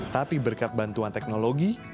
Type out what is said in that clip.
tapi berkat bantuan teknologi